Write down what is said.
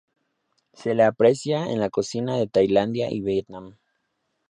Se las aprecia en la cocina de Tailandia y Vietnam.